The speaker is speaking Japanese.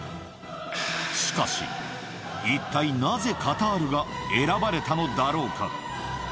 しかし、一体なぜ、カタールが選ばれたのだろうか。